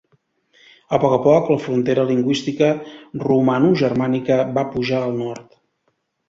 A poc a poc, la frontera lingüística romanogermànica va pujar al nord.